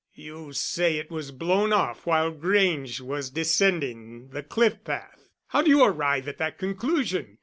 You say it was blown off while Grange was descending the cliff path. How do you arrive at that conclusion?